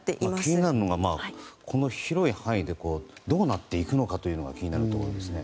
気になるのがこの広い範囲でどうなっていくのか気になるところですね。